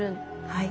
はい。